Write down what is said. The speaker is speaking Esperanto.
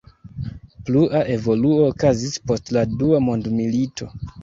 Plua evoluo okazis post la dua mondmilito.